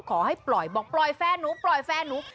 ขอให้ปล่อยบอกปล่อยแฟนหนูปล่อยแฟนหนู